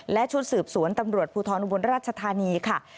และชุดสืบสวนตำรวจภูทรอุบลราชธานีค่ะ